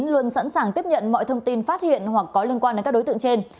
luôn sẵn sàng tiếp nhận mọi thông tin phát hiện hoặc có liên quan đến các đối tượng trên